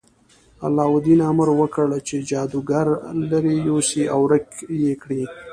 علاوالدین امر وکړ چې جادوګر لرې یوسي او ورک یې کړي.